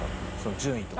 順位とか。